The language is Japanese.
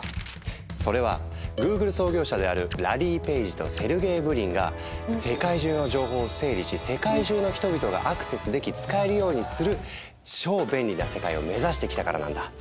それはＧｏｏｇｌｅ創業者であるラリー・ペイジとセルゲイ・ブリンが世界中の情報を整理し世界中の人々がアクセスでき使えるようにする超便利な世界を目指してきたからなんだ。